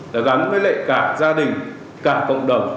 là gắn với lại cả gia đình cả cộng đồng